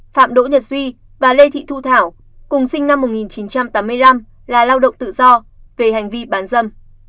phạm đỗ nhật duy và lê thị thu thảo cùng sinh năm một nghìn chín trăm tám mươi năm là lao động tự do về hành vi bán dâm